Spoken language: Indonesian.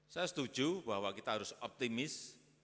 saya setuju bahwa kita harus optimis